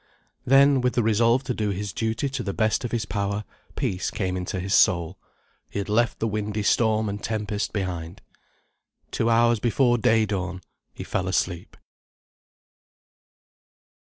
Then, with the resolve to do his duty to the best of his power, peace came into his soul; he had left the windy storm and tempest behind. Two hours before day dawn he fell asleep.